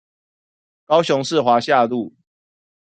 高雄市華夏路